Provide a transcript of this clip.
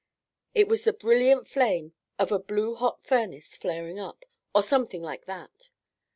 It was the brilliant flame of a blue hot furnace flaring up, or something like that.